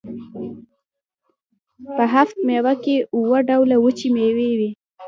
په هفت میوه کې اووه ډوله وچې میوې وي.